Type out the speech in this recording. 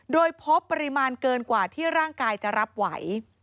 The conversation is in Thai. โดยพบปริมาณเกินกว่าที่ร่างกายจะรับไหว